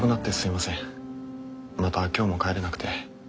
また今日も帰れなくて。